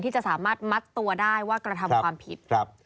ที่จะสามารถมัดตัวได้ว่ากระทำความผิดครับ